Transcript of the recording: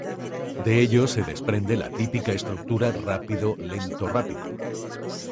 De ello se desprende la típica estructura rápido-lento-rápido.